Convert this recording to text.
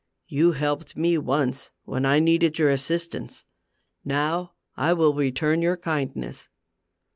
You helped me once when I needed your assist ance ; now I will return your kindness."